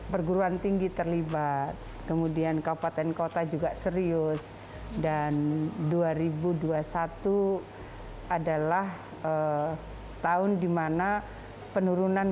perguruan tinggi terlibat kemudian kabupaten kota juga serius dan dua ribu dua puluh satu adalah tahun dimana penurunan